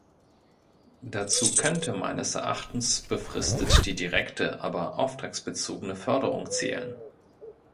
Dazu könnte meines Erachtens befristet die direkte, aber auftragsbezogene Förderung zählen.